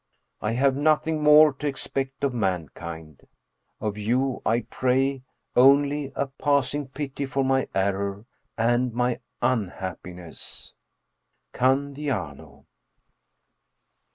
I have nothing more to expect of mankind. Of you I pray only a passing pity for my error and my unhappiness. " CANDIANO."